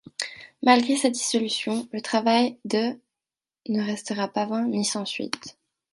Malgré sa dissolution, le travail de ' ne restera pas vain ni sans suite.